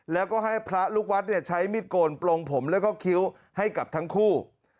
แล้วก็ให้พระลูกวัดใช้มิดโกนปลงผมแล้วก็คิ้วให้กับทั้งคู่